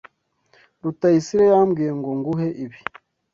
Rutayisire yambwiye ngo nguhe ibi.